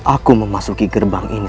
aku memasuki gerbang ini